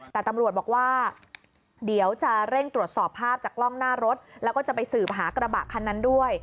แต่ตำรวจบอกว่าเดี๋ยวจะเร่งตรวจสอบภาพจากกล้องหน้ารถแล้วก็จะไปสืบหากระบะคันนั้นด้วย